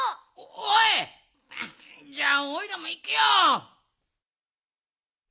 おいじゃあおいらもいくよ。